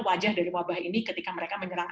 wajah dari wabah ini ketika mereka menyerang